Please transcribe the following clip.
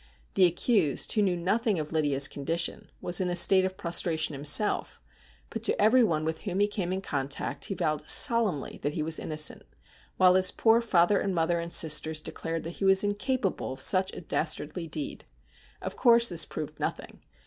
The accused, who knew nothing of Lydia's con dition, was in a state of prostration himself, but to everyone with whom he came in contact lie vowed solemnly that he was innocent, while his poor father and mother and sisters declared that he was incapable of such a dastardly deed. Of course, this proved nothing.